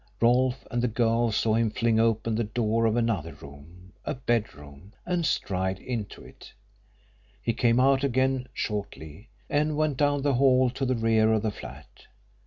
Rolfe and the girl saw him fling open the door of another room a bedroom and stride into it. He came out again shortly, and went down the hall to the rear of the flat.